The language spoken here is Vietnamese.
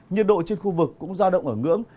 nhiệt độ trên khu vực cũng giao động ở ngưỡng